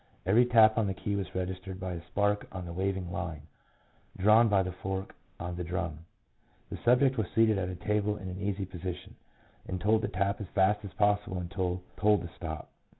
Every tap on the key was registered by a spark on the waving line, drawn by the fork on the drum. The subject was seated at a table in an easy position, and told to tap as fast as possible until told to stop.